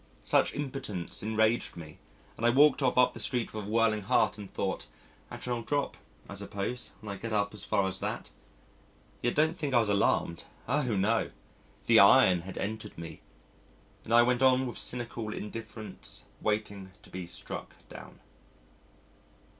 Such impotence enraged me and I walked off up the street with a whirling heart and the thought, "I shall drop, I suppose, when I get up as far as that." Yet don't think I was alarmed. Oh! no. The iron had entered me, and I went on with cynical indifference waiting to be struck down.